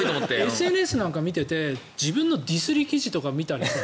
ＳＮＳなんか見ていて自分のディスり記事とか見たりする。